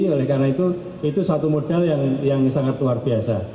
oleh karena itu itu satu modal yang sangat luar biasa